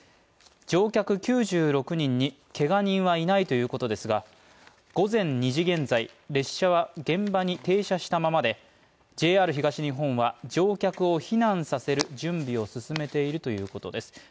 乗客９６人にけが人はいないということですが、午前２時現在、列車は現場に停車したままで、ＪＲ東日本は乗客を避難させる準備を進めているということです